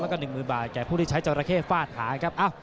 แล้วก็๑๐๐๐บาทแก่ผู้ที่ใช้จราเข้ฟาดหาครับ